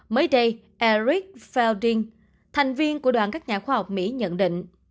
mới đây eric felding thành viên của đoàn các nhà khoa học mỹ nhận định